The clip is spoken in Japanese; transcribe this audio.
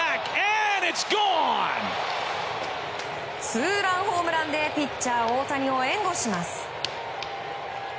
ツーランホームランでピッチャー大谷を援護します。